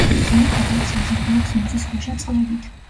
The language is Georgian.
ძირითადად საზრდოობს მიწისქვეშა წყლებით.